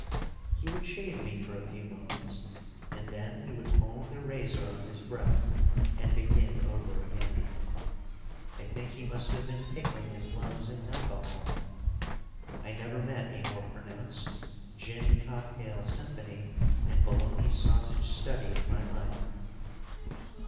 He would shave me for a few moments, and then he would hone the razor on his breath and begin over again. I think he must have been pickling his lungs in alcohol. I never met a more pronounced gin cocktail symphony and bologna sausage study in my life.